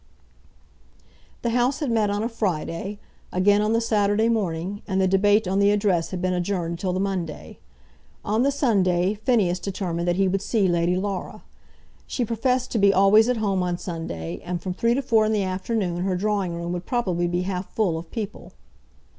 The House had met on a Friday, again on the Saturday morning, and the debate on the Address had been adjourned till the Monday. On the Sunday, Phineas determined that he would see Lady Laura. She professed to be always at home on Sunday, and from three to four in the afternoon her drawing room would probably be half full of people.